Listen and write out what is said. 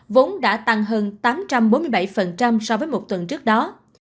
vốn đã tăng hơn tám ca